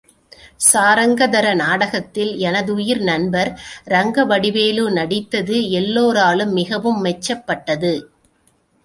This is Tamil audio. சாரங்கதர நாடகத்தில் எனதுயிர் நண்பர் ரங்கவடிவேலு நடித்தது எல்லோராலும் மிகவும் மெச்சப்பட்டது.